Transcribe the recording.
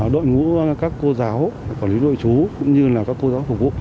đội ngũ các cô giáo quản lý nội chú cũng như là các cô giáo phục vụ